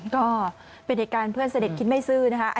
ก็เป็นเหตุการณ์เพื่อนเสด็จคิดไม่ซื้อนะคะ